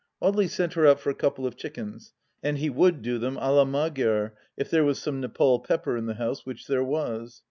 Audely sent her out for a couple of chickens, and he would do them d la Magyar, if there was some Nepaul pepper in the house, which there was.